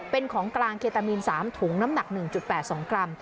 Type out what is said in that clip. เป็นของกลางเคตามีนสามถุงน้ำหนักหนึ่งจุดแปดสองกรัม